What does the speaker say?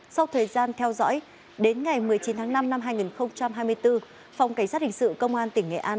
sau thời gian theo dõi đến ngày một mươi chín tháng năm năm hai nghìn hai mươi bốn phòng cảnh sát hình sự công an tỉnh nghệ an